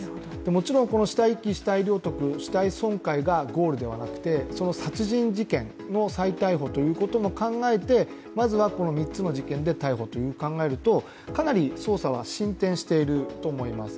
もちろんこの死体遺棄、死体領得、死体損壊がゴールではなくて、その殺人事件の再逮捕ということも考えて、まずは３つの事件で逮捕と考えるとかなり捜査は進展していると思います。